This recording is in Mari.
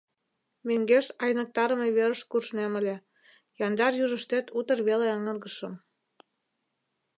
Мӧҥгеш айныктарыме верыш куржнем ыле — яндар южыштет утыр веле аҥыргышым.